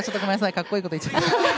かっこいいこと言っちゃった。